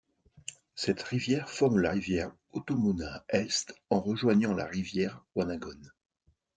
Cette rivière forme la rivière Otomona Est en rejoignant la rivière Wanagon.